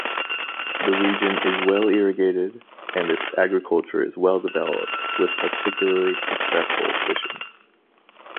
The region is well-irrigated and its agriculture is well-developed, with particularly successful fishing.